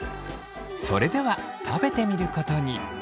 それでは食べてみることに。